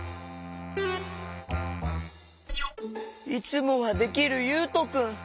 いつもはできるゆうとくん。